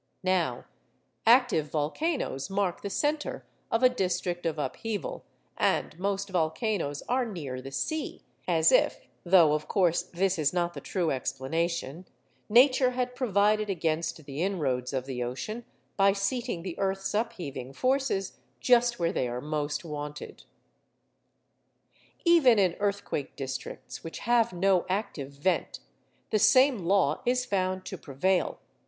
Now, active volcanoes mark the centre of a district of upheaval, and most volcanoes are near the sea, as if (though, of course, this is not the true explanation) Nature had provided against the inroads of the ocean by seating the earth's upheaving forces just where they are most wanted. Even in earthquake districts which have no active vent, the same law is found to prevail.